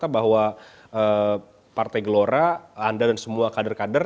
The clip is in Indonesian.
bahwa partai gelora anda dan semua kader kader